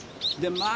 まあ